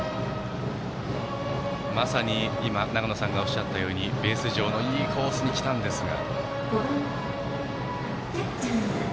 まさに今、長野さんがおっしゃったようにベース上のいいコースに来たんですが。